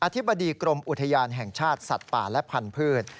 ธิบดีกรมอุทยานแห่งชาติสัตว์ป่าและพันธุ์